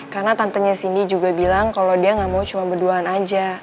karena tantenya cindy juga bilang kalau dia gak mau cuma berduaan aja